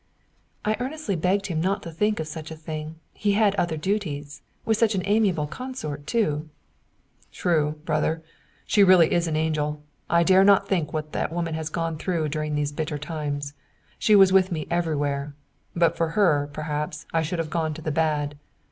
I earnestly begged him not to think of such a thing. He had other duties. With such an amiable consort too! "True, brother! She really is an angel. I dare not think what that woman has gone through during these bitter times. She was with me everywhere; but for her, perhaps, I should have gone to the bad.